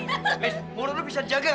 men menurut lo bisa jaga gak sih